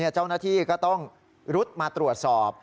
เจ้าหน้าที่ก็ต้องรุดมาตรวจสอบ